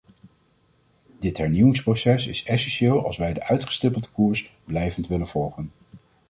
Dit hernieuwingsproces is essentieel als wij de uitgestippelde koers blijvend willen volgen.